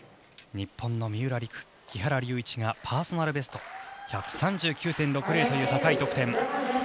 日本の三浦璃来・木原龍一がパーソナルベスト１３９．６０という高い得点。